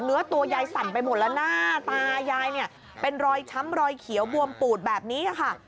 เนื้อตัวยายสั่นไปหมดแล้วหน้าตายายเนี่ยเป็นรอยช้ำรอยเขียวบวมปูดแบบนี้ค่ะ